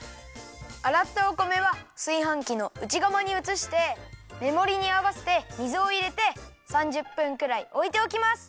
あらったお米はすいはんきのうちがまにうつしてメモリにあわせて水をいれて３０分くらいおいておきます。